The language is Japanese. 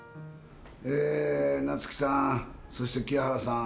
夏木さん、そして清原さん